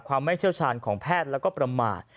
ไม่เชี่ยวชาญของแพทย์แล้วก็ประมาท